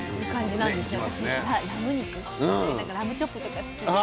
なんかラムチョップとか好きです。